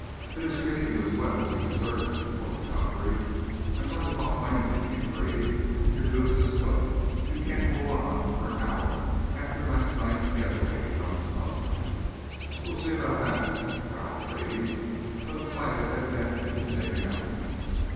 "It has treated you as well as you deserved," retorted Godfrey. "I'm going to talk plainly to you, Grady. Your goose is cooked. You can't hold on for an hour after last night's get away becomes public." "We'll see about that!" growled Grady, but the fight had evidently been taken out of him.